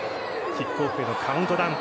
キックオフへのカウントダウン。